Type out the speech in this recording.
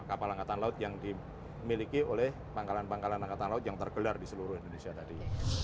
kapal angkatan laut yang dimiliki oleh pangkalan pangkalan angkatan laut yang tergelar di seluruh indonesia tadi